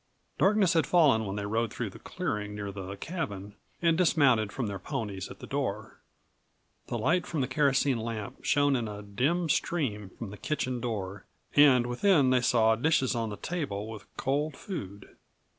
Darkness had fallen when they rode through the clearing near the cabin and dismounted from their ponies at the door. The light from the kerosene lamp shone in a dim stream from the kitchen door and within they saw dishes on the table with cold food.